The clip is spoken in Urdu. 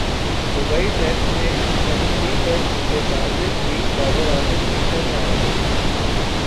دبئی ٹیسٹ سنچری پر متنازع ٹوئٹ بابر اعظم غصہ میں اگئے